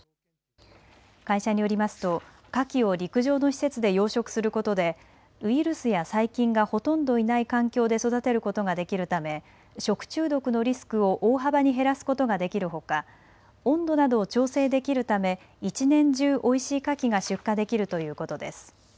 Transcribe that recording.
会社によりますとかきを陸上の施設で養殖することでウイルスや細菌がほとんどいない環境で育てることができるため食中毒のリスクを大幅に減らすことができるほか温度などを調整できるため１年中おいしいかきが出荷できるということです。